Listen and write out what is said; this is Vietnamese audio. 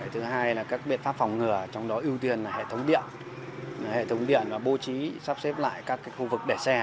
thứ hai là các biện pháp phòng ngừa trong đó ưu tiên là hệ thống điện hệ thống điện và bố trí sắp xếp lại các khu vực để xe